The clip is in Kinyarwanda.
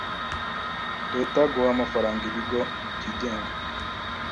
leta guha amafaranga ibigo byigenga